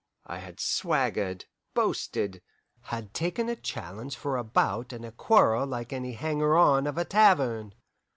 I had swaggered, boasted, had taken a challenge for a bout and a quarrel like any hanger on of a tavern.